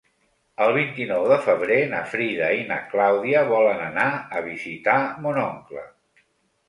El vint-i-nou de febrer na Frida i na Clàudia volen anar a visitar mon oncle.